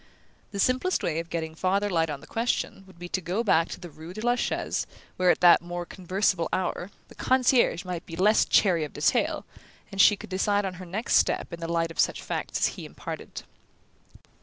The simplest way of getting farther light on the question would be to go back to the rue de la Chaise, where, at that more conversable hour, the concierge might be less chary of detail; and she could decide on her next step in the light of such facts as he imparted.